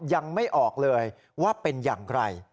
ยังไม่ออกเลยว่าเป็นอย่างไร